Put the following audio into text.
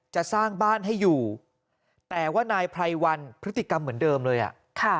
จะสร้างบ้านให้อยู่แต่ว่านายไพรวันพฤติกรรมเหมือนเดิมเลยอ่ะค่ะ